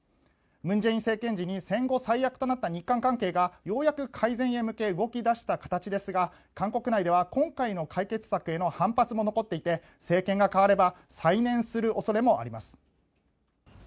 文在寅政権時に戦後最悪となった日韓関係が、ようやく改善へ向け動き出した形ですが韓国内では今回の解決策への反発も残っていて政権が代われば再燃する恐れもあります。